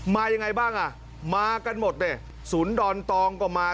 มายังไงบ้างอ่ะมากันหมดดิศูนย์ดอนตองก็มา